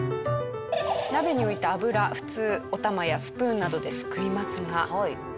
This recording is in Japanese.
普通おたまやスプーンなどですくいますが。